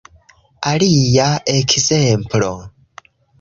Alia ekzemplo